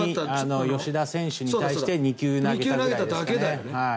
吉田選手に対して２球投げたぐらいですかね。